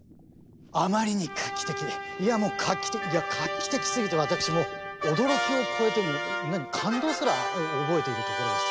あまりに画期的いやもう画期的いや画期的すぎて私もう驚きを超えてもう何感動すら覚えているところです。